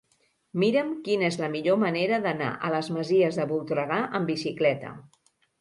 Mira'm quina és la millor manera d'anar a les Masies de Voltregà amb bicicleta.